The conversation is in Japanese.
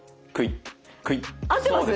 合ってます？